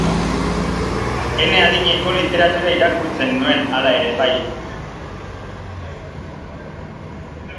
Ene adineko literatura irakurtzen nuen, hala ere, bai.